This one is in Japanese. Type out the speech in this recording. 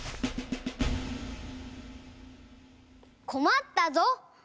こまったぞ！